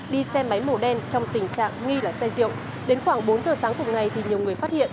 đi xe máy màu đen trong tình trạng nghi là xe rượu đến khoảng bốn giờ sáng cùng ngày thì nhiều người phát hiện